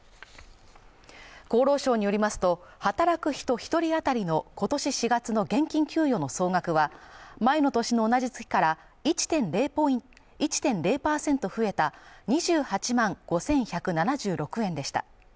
厚労省によりますと、働く人１人あたりの今年４月の現金給与の総額は前の年の同じ月から１．０％増えた２８万５１７６円でした。